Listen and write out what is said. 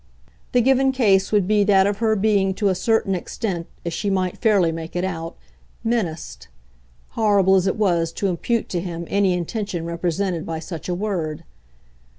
The given case would be that of her being to a certain extent, as she might fairly make it out, MENACED horrible as it was to impute to him any intention represented by such a word.